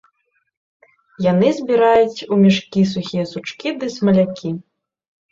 Яны збіраюць у мяшкі сухія сучкі ды смалякі.